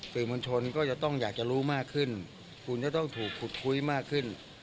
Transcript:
สื่อมวลชนก็จะต้องอยากจะรู้มากขึ้นคุณจะต้องถูกขุดคุยมากขึ้น